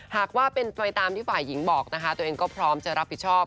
หากว่าเป็นไปตามที่ฝ่ายหญิงบอกนะคะตัวเองก็พร้อมจะรับผิดชอบ